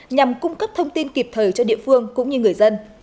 nhằm cung cấp thông tin kịp thời cho địa phương cũng như người dân